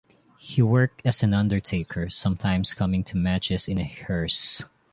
He worked as an undertaker, sometimes coming to matches in a hearse.